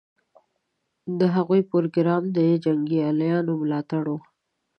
د هغوی پروګرام د جنګیالیو ملاتړ و.